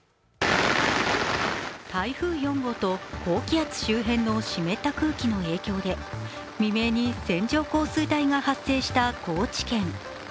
台風４号と高気圧周辺の湿った空気の影響で未明に線状降水帯が発生した高知県。